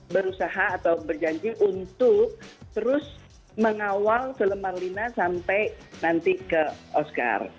berusaha atau berjanji untuk terus mengawal film marlina sampai nanti ke oscar